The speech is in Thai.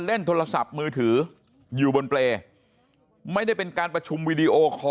เล่นโทรศัพท์มือถืออยู่บนเปรย์ไม่ได้เป็นการประชุมวีดีโอคอร์